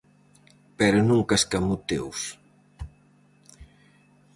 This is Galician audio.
Pero nunca escamoteos.